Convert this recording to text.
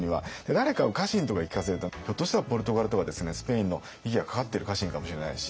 誰か家臣とかに聞かせるとひょっとしたらポルトガルとかですねスペインの息がかかってる家臣かもしれないし。